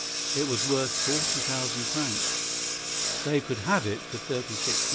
It was worth forty thousand francs. They could have it for thirty six.